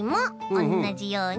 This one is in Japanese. おんなじように？